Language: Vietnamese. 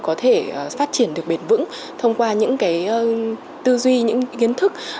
có thể phát triển được bền vững thông qua những cái tư duy những kiến thức